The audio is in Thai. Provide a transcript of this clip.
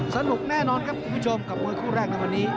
สนุกแน่นอนครับคุณผู้ชมกับมวยคู่แรกในวันนี้